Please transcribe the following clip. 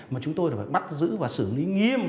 mà chúng tôi phải bắt giữ và xử lý nghiêm